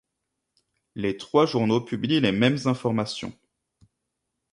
Les trois journaux publient les mêmes informations.